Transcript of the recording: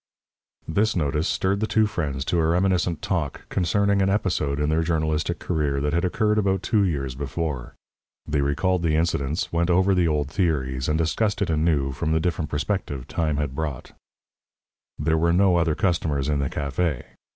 This notice stirred the two friends to a reminiscent talk concerning an episode in their journalistic career that had occurred about two years before. They recalled the incidents, went over the old theories, and discussed it anew from the different perspective time had brought. There were no other customers in the café.